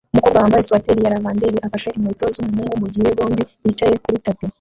Umukobwa wambaye swater ya lavender afashe inkweto zumuhungu mugihe bombi bicaye kuri tapi